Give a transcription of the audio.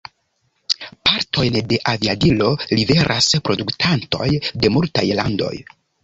Partojn de aviadilo liveras produktantoj de multaj landoj.